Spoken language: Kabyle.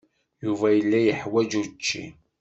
Yuba yella yeḥwaj učči.